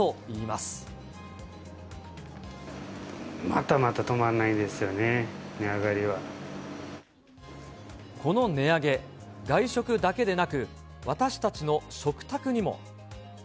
まだまだ止まんないですよね、この値上げ、外食だけでなく、私たちの食卓にも。